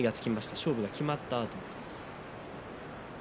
勝負が決まったあとです。